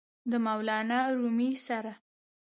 د مولانا رومي سره!!!